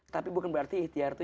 tapi bukan berarti ikhtiar itu